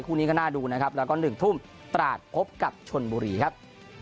คู่นี้ก็น่าดูนะครับแล้วก็๑ทุ่มตราดพบกับชนบุรีครับ